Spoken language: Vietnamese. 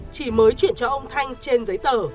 chỉ mới chuyển cho ông thanh trên giấy tờ